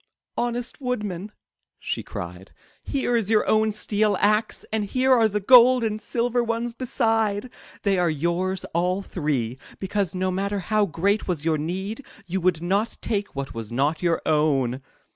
'* Honest Woodman," she cried, *'here is your own steel axe, and here are the gold and silver ones beside. These are yours all three, because, no matter how great was your need, you would not take what was not your own!"